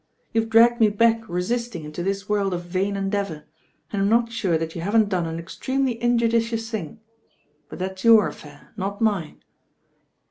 "You've dragged me back resisting into this world of vain endeavour, and I'm not sure that you haven't done an extremely injudicious thing; but that's your affair, not mine."